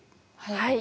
はい。